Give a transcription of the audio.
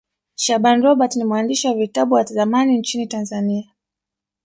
shaaban robert ni mwandishi wa vitabu wa zamani nchini tanzania